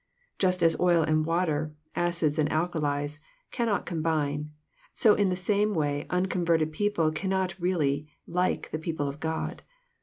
Just as oil and water, acids and alkalies, cannot combine, so in the same way uncon verted people cannot really like the people of God.